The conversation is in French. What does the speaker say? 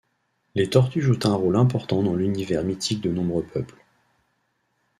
Les tortues jouent un rôle important dans l’univers mythique de nombreux peuples.